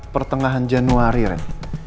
pertengahan januari ren